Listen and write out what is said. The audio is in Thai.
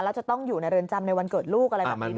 แล้วจะต้องอยู่ในเรียนจำในวรรณเกิดลูก